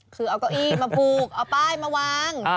คือเอาเก้าอี้มาผูกเอาป้ายมาวาง